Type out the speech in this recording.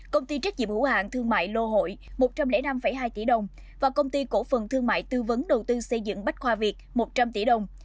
công ty trách nhiệm hữu hạng thương mại lô hội một trăm linh năm hai tỷ đồng và công ty cổ phần thương mại tư vấn đầu tư xây dựng bách khoa việt một trăm linh tỷ đồng